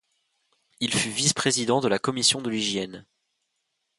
Il fut vice-président de la Commission de l'hygiène.